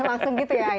langsung gitu ya